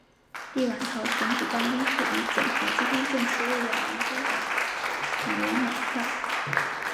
立陶宛选举办公室与检察机关证实有两名工党党员买票。